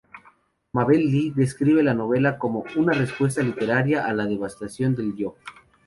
Mabel Lee describe la novela como "una respuesta literaria a la devastación del yo.